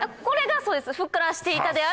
これがそうですふっくらしていた。